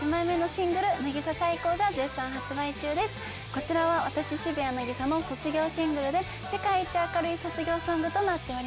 こちらは私渋谷凪咲の卒業シングルで世界一明るい卒業ソングとなっております。